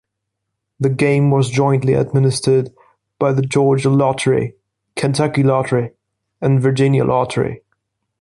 The game was jointly administered by the Georgia Lottery, Kentucky Lottery, and Virginia Lottery.